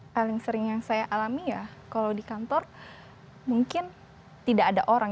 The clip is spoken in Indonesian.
paling sering yang saya alami ya kalau di kantor mungkin tidak ada orang